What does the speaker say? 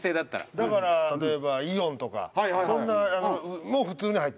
だから例えばイオンとかそんなのも普通に入っていけるから。